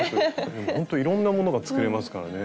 ほんといろんなものが作れますからね。